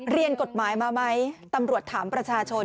เรียนกฎหมายมาไหมตำรวจถามประชาชน